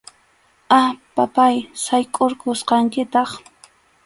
A, papáy, saykʼurqusqankitaq.